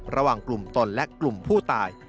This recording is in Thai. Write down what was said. ระหว่างกลุ่มตนและกลุ่มผู้ตาย